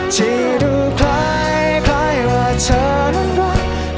ที่ดูคล้ายว่าเธอนั้นรัก